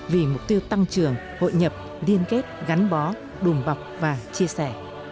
vì mục tiêu tăng trưởng hội nhập liên kết gắn bó đùm bọc và chia sẻ